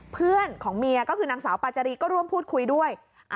เพื่อนของเมียก็คือนางสาวปาจารีก็ร่วมพูดคุยด้วย